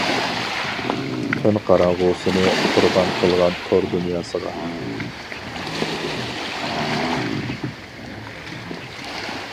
تۈن قاراڭغۇسىنى، قۇربان قىلغان تور دۇنياسىغا.